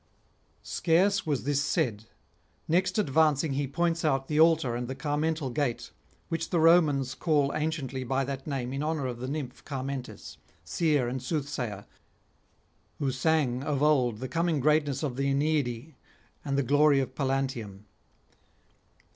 Scarce was this said; next advancing he points out the altar and the Carmental Gate, which the Romans call anciently by that name in honour of the Nymph Carmentis, seer and soothsayer, who sang of old the coming greatness of the Aeneadae and the glory of Pallanteum.